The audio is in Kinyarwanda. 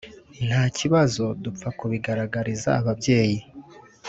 ntakibazo dupfa kutabigaragariza ababyeyi